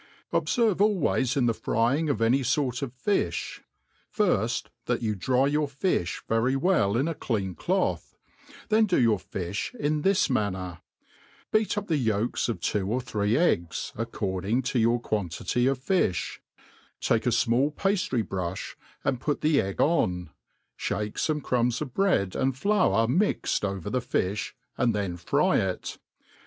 Obferve alw2|vs in the frying of any fort of fifli ; firft, that you dry your filn very well in a clean cloth, then do your fifli in this manner : beat up the yolks of two or three eggs, ac* cordiDg to your quantity of fiih ; take a fmall paftry brufb, and put the egg on, (hake fome crumbs of bread and flour mixt over the fi(h, and then fry it.